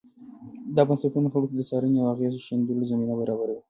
دا بنسټونه خلکو ته د څارنې او اغېز ښندلو زمینه برابروي.